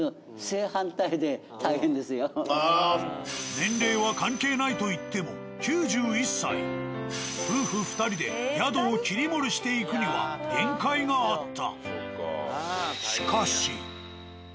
年齢は関係ないといっても夫婦２人で宿を切り盛りしていくには限界があった。